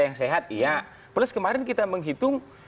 yang sehat iya plus kemarin kita menghitung